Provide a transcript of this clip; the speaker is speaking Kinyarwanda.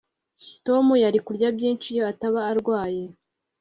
Tom yari kurya byinshi iyo ataba arwaye